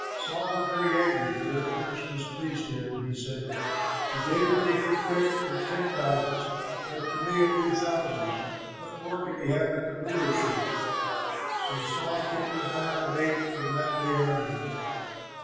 Saul was very angry, for their words displeased him, and he said, "To David they give credit for ten thousands, but to me only thousands; what more can he have but the rulership?" So Saul kept his eye on David from that day onward.